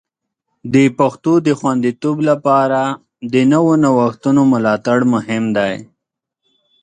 د پښتو د خوندیتوب لپاره د نوو نوښتونو ملاتړ مهم دی.